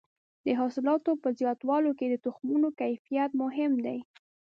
د حاصلاتو په زیاتولو کې د تخمونو کیفیت مهم دی.